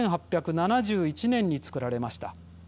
１８７１年につくられました。